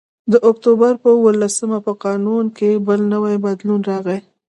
د اکتوبر په اوولسمه په قانون کې بل نوی بدلون راغی